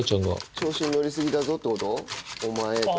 調子に乗り過ぎだぞってこと？